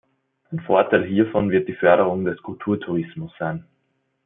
Ein Vorteil hiervon wird die Förderung des Kulturtourismus sein.